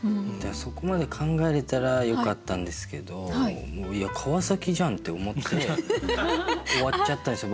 そこまで考えれたらよかったんですけど「いや川崎じゃん！」って思って終わっちゃったんですよ